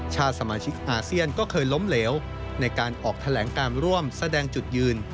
ชาติสมาชิกอาเซียนก็เคยล้มเหลวในการออกแถลงการร่วมแสดงจุดยืน